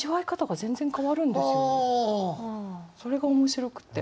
それが面白くって。